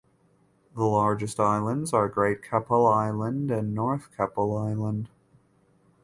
The largest islands are Great Keppel Island and North Keppel Island.